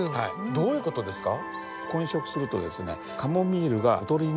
どういう事ですか？